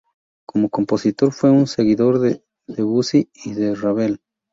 Como compositor fue un seguidor de Debussy y de Ravel.